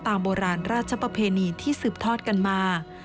โบราณราชประเพณีที่สืบทอดกันมา